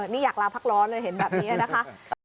นี่อยากลาพักร้อนเลยเห็นแบบนี้นะคะ